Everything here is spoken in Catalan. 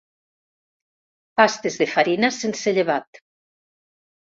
Pastes de farina sense llevat.